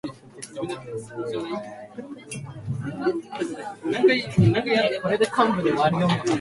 きっといつもそうだった